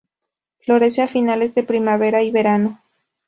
Florece a finales de primavera y verano.